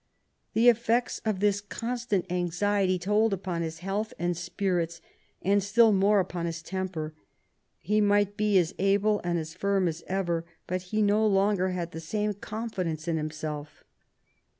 The effects of this constant anxiety told upon his health and spirits, and still more upon his temper. He might be as able and as firm as ever, but he no longer had the same confidence in himself.